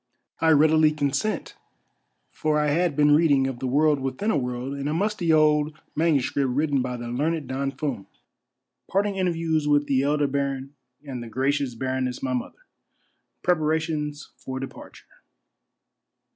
I READILY CONSENT, FOR I HAD BEEN READING OF THE WORLD WITHIN A WORLD IN A MUSTY OLD MS. WRITTEN BY THE LEARNED DON FUM. — PART ING INTERVIEWS WITH THE ELDER BARON AND THE GRACIOUS BARONESS MY MOTHER. — PREPARATIONS FOR DEPARTURE.